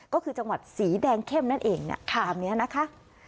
ก็คือจังหวัดสีแดงเข้มนั่นเองตามนี้นะคะ